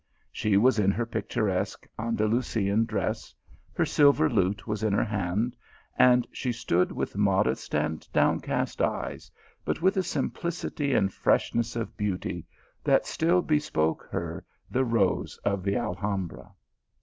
She was in her picturesque Anclalusian dress ; her silver lute was in her hand, and she stood with modest and downcast eyes, but with a simplicity and freshness of beauty that still bespoke her " The Rose of the Alhambra."